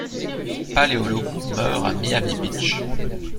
Paleologu meurt à Miami Beach.